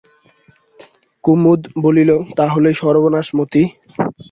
কুমুদ বলিল, তা হলেই সর্বনাশ মতি।